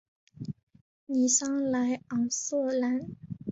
尼桑莱昂瑟兰。